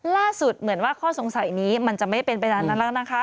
เหมือนว่าข้อสงสัยนี้มันจะไม่เป็นไปตามนั้นแล้วนะคะ